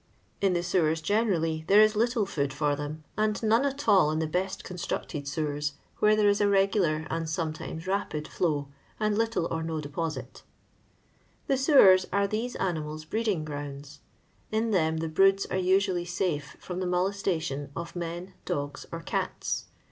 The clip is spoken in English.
In the sewen, generally, there is little food for them, and none at all in the best<onstnicted sewen, where there is a regular and sometimei npid flow, and little or no deposit The sewen are these animals' breeding groondi. In them the broods are usually safe from the molestation of men, dogs, or cats.